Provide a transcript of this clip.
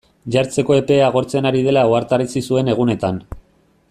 Jartzeko epea agortzen ari dela ohartarazi zuen egunetan.